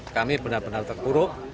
kami benar benar terburuk